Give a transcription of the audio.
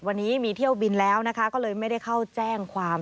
วันนี้มีเที่ยวบินแล้วนะคะก็เลยไม่ได้เข้าแจ้งความ